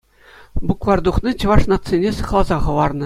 Букварь тухни чӑваш нацине сыхласа хӑварнӑ.